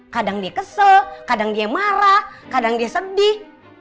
kadang dia kesel kadang dia marah kadang dia sedih